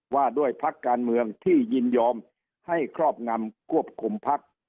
ว่าด้วยพักการเมืองที่ยินยอมให้ครอบงำควบคุมพัก